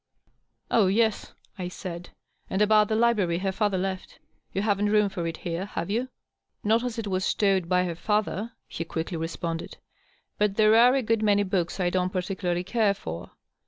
" Oh, yes," I said. " And about the library her father left. Yon haven't room for it here, have you ?"" Not as it was stowed by her father," he quickly responded. " But there are a good many books I don't particularly care for.